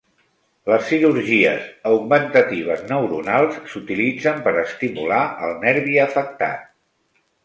Les cirurgies augmentatives neuronals s'utilitzen per estimular el nervi afectat.